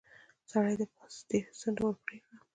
سړي د پاستي څنډه ور پرې کړه.